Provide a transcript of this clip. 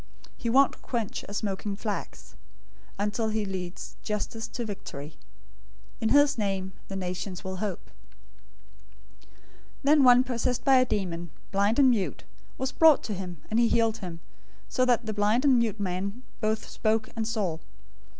He won't quench a smoking flax, until he leads justice to victory. 012:021 In his name, the nations will hope."{Isaiah 42:1 4} 012:022 Then one possessed by a demon, blind and mute, was brought to him and he healed him, so that the blind and mute man both spoke and saw.